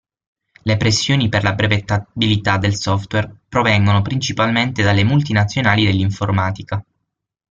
Le pressioni per la brevettabilità del software provengono principalmente dalle multinazionali dell'informatica.